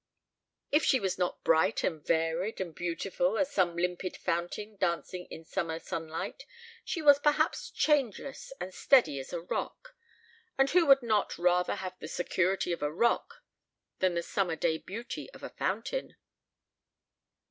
If she was not bright and varied and beautiful as some limpid fountain dancing in summer sunlight, she was perhaps changeless and steady as a rock; and who would not rather have the security of a rock than the summer day beauty of a fountain?